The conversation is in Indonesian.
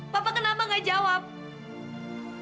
papa kenapa gak jawab